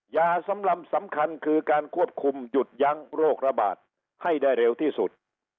ยาสำหรับสำคัญคือการควบคุมหยุดยั้งโรคระบาดให้ได้เร็วที่สุด